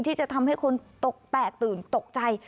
ที่จะทำให้คนตกแตกตื่นตกใจ